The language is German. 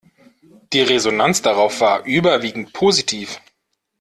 Die Resonanz darauf war überwiegend positiv.